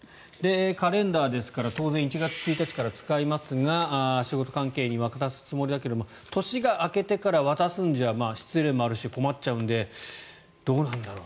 カレンダーですから当然１月１日から使いますが仕事関係先に渡すつもりだけど年が明けてから渡すんじゃ失礼もあるし困っちゃうんでどうなんだろう